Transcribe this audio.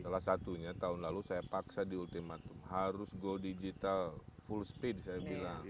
salah satunya tahun lalu saya paksa di ultimatum harus go digital full speed saya bilang